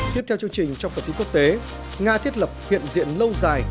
tiếp theo chương trình trong phần thứ quốc tế nga thiết lập hiện diện lâu dài tại các căn cứ ở syri